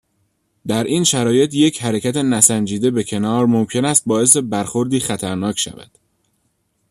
در این شرایط یک حرکت نسنجیده به کنار ممکن است باعث برخوردی خطرناک شود.